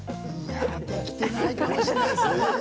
できていないかもしれないですね。